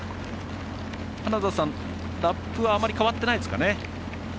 ラップはあまり変わっていないですかね。